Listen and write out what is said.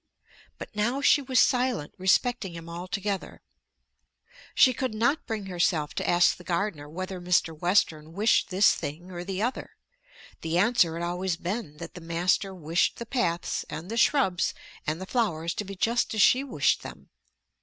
But now she was silent respecting him altogether. She could not bring herself to ask the gardener whether Mr. Western wished this thing or the other. The answer had always been that the master wished the paths and the shrubs and the flowers to be just as she wished them.